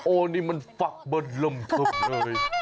โอ้นี่มันฟักบนลำทึบเลย